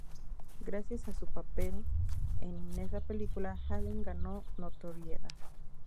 Gracias a su papel en esa película, Allen ganó notoriedad.